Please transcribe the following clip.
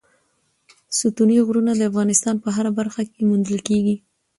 ستوني غرونه د افغانستان په هره برخه کې موندل کېږي.